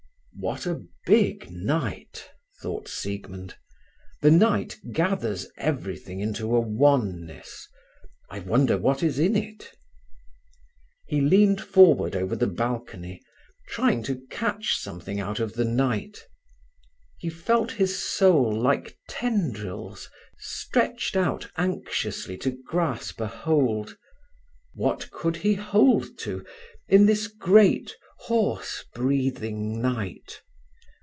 "What a big night!" thought Siegmund. "The night gathers everything into a oneness. I wonder what is in it." He leaned forward over the balcony, trying to catch something out of the night. He felt his soul like tendrils stretched out anxiously to grasp a hold. What could he hold to in this great, hoarse breathing night?